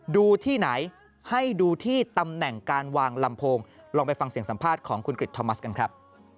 ดูที่ไหนให้ดูที่ตำแหน่งการวางลำโพงลองไปฟังเสียงสัมภาษณ์ของคุณกริจทอมัสกันครับ